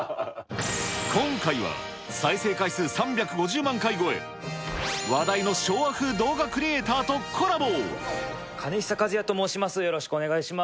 今回は再生回数３５０万回超え、話題の昭和風動画クリエーターとコラボ。